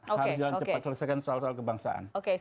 harus jalan cepat selesaikan soal soal kebangsaan